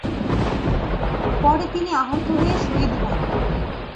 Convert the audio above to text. পরে তিনি আহত হয়ে শহীদ হন।